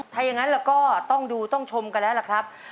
ถ้าอย่างนั้นเราก็ต้องดูต้องชมกันแล้วล่ะครับ